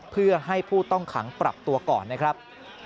เพื่อให้ผู้ต้องขังปรับตัวก่อนนะครับ